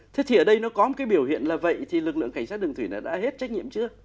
thế thì ở đây nó có một cái biểu hiện là vậy thì lực lượng cảnh sát đường thủy là đã hết trách nhiệm chưa